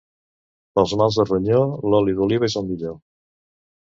Pels mals de ronyó, l'oli d'oliva és el millor.